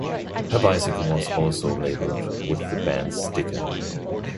Her bicycle was also labeled with the band's sticker.